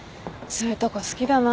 そういうとこ好きだな。